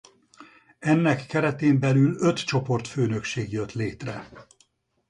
Ennek keretén belül öt csoportfőnökség jött létre.